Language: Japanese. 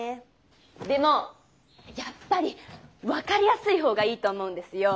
でもやっぱり分かりやすい方がいいと思うんですよ。